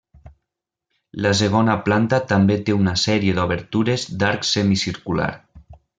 La segona planta també té una sèrie d'obertures d'arc semicircular.